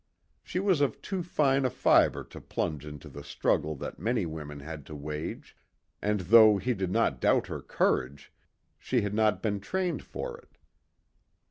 She was of too fine a fibre to plunge into the struggle that many women had to wage, and though he did not doubt her courage, she had not been trained for it.